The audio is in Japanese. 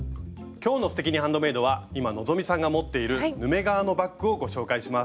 今日の「すてきにハンドメイド」は今希さんが持っているヌメ革のバッグをご紹介します。